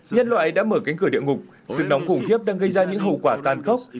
nhân loại đã mở cánh cửa địa ngục sự nóng khủng khiếp đang gây ra những hậu quả tan khốc